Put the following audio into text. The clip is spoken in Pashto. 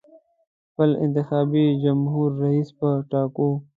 خپل انتخابي جمهور رییس به ټاکو.